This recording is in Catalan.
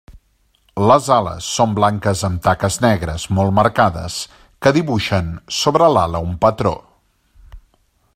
Les ales són blanques amb taques negres molt marcades que dibuixen sobre l'ala un patró.